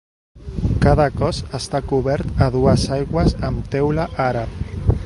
Cada cos està cobert a dues aigües amb teula àrab.